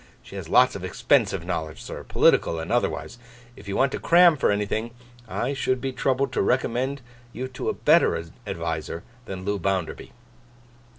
She has lots of expensive knowledge, sir, political and otherwise. If you want to cram for anything, I should be troubled to recommend you to a better adviser than Loo Bounderby.